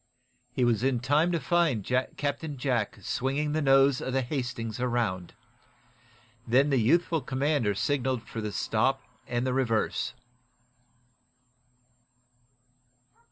He was in time to find Captain Jack swinging the nose of the "Hastings" around. Then the youthful commander signaled for the stop and the reverse.